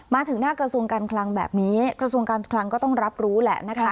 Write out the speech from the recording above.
มาถึงหน้ากระทรวงการคลังแบบนี้กระทรวงการคลังก็ต้องรับรู้แหละนะคะ